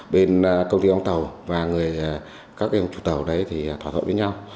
bên công ty đóng tàu và các cái chủ tàu đấy thì thỏa thuận với nhau